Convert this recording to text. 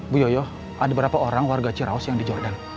bu yoyo ada berapa orang warga cirawas yang di jordan